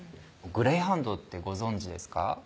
グレーハウンドってご存じですか？